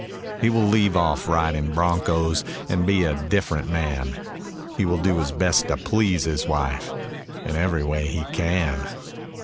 He will leave off riding broncos And be a different man; He will do his best to please his wife In every way he can.